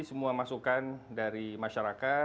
semua masukan dari masyarakat